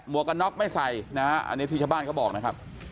หมวกกระน็อกไม่ใส่นะฮะนี้ผู้ชำบ้านเขาบอกนะครับ